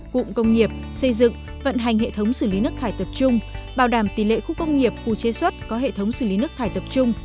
cụm công nghiệp xây dựng vận hành hệ thống xử lý nước thải tập trung bảo đảm tỷ lệ khu công nghiệp khu chế xuất có hệ thống xử lý nước thải tập trung